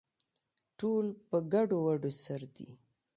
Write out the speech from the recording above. ټول په ګډووډو سر دي